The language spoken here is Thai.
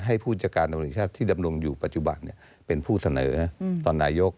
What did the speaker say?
ผู้จัดการตำรวจชาติที่ดำรงอยู่ปัจจุบันเป็นผู้เสนอตอนนายก